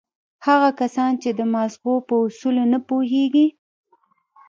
هغه کسان چې د ماغزو په اصولو نه پوهېږي.